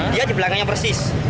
dia di belakangnya persis